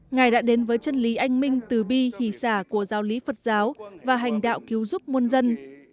ngài đã đến với chân lý anh minh từ bi hỷ xả của giáo lý phật giáo và hành đạo cứu giúp môn dân